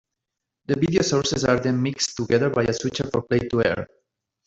The video sources are then mixed together by a switcher for play to air.